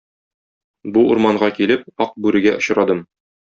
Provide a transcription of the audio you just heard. Бу урманга килеп, Ак бүрегә очрадым.